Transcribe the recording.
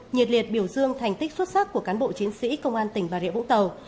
nhiệt liệt biểu dương thành tích xuất sắc của cán bộ chiến sĩ công an tỉnh bà rịa vũng tàu